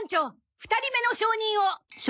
２人目の証人を。